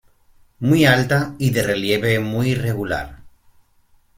Muy alta y de relieve muy irregular.